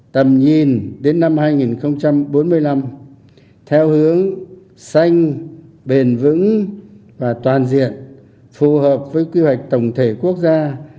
tầm nhìn đến năm hai nghìn bốn mươi năm theo hướng xanh bền vững và toàn diện phù hợp với quy hoạch tổng thể quốc gia